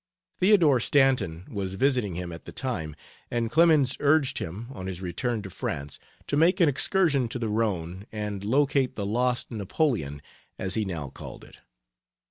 Theodore Stanton was visiting him at the time, and Clemens urged him, on his return to France, to make an excursion to the Rhone and locate the Lost Napoleon, as he now called it.